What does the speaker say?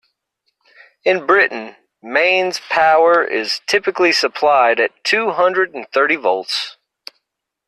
In Britain, mains power is typically supplied at two hundred and thirty volts